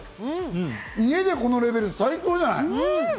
マジで、家でこのレベル、最高じゃない？